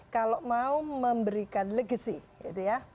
kalau mau memberikan legacy gitu ya